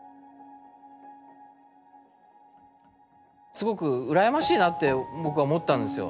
すごく羨ましいなって僕は思ったんですよ。